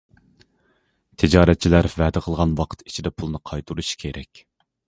تىجارەتچىلەر ۋەدە قىلغان ۋاقىت ئىچىدە پۇلنى قايتۇرۇشى كېرەك.